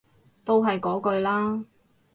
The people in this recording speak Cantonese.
都係嗰句啦